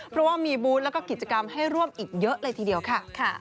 เพราะว่ามีบูธแล้วก็กิจกรรมให้ร่วมอีกเยอะเลยทีเดียวค่ะ